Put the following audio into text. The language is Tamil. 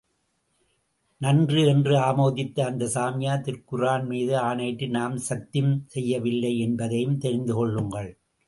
நன்று! என்று ஆமோதித்த அந்த சாமியார், திருக்குரான் மீது ஆணையிட்டு நாம் சத்திம் செய்யவில்லை என்பதையும் தெரிந்து கொள்ளுங்கள்.